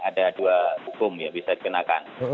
ada dua hukum yang bisa dikenakan